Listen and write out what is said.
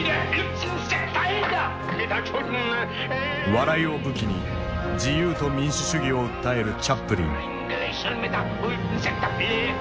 笑いを武器に自由と民主主義を訴えるチャップリン。